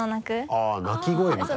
あぁ鳴き声みたいな。